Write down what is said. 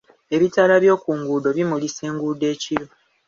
Ebitaala by'oku nguudo bimulisa enguudo ekiro